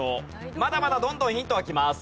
まだまだどんどんヒントはきます。